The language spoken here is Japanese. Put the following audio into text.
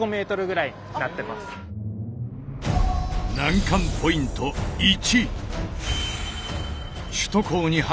難関ポイント１。